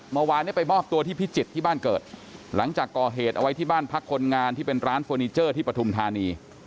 เมื่อวานนี้ไปมอบตัวที่พิจิตรที่บ้านเกิดหลังจากก่อเหตุเอาไว้ที่บ้านพักคนงานที่เป็นร้านเฟอร์นิเจอร์ที่ปฐุมธานี